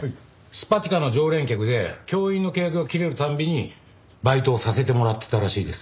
Ｓｐｈａｔｉｋａの常連客で教員の契約が切れる度にバイトをさせてもらってたらしいです。